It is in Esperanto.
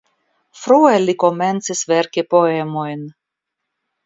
Frue li komencis verki poemojn.